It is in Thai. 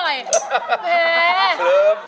เสริม